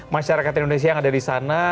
masyarakat indonesia yang ada di sana